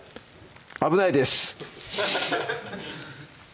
危ないです